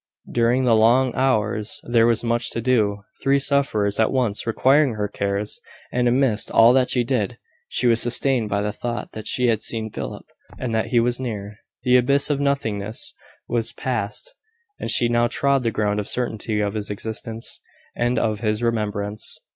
During the long hours there was much to do three sufferers at once requiring her cares; and amidst all that she did, she was sustained by the thought that she had seen Philip, and that he was near. The abyss of nothingness was passed, and she now trod the ground of certainty of his existence, and of his remembrance.